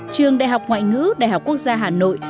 trường đại học ngoại ngữ đại học quốc gia hà nội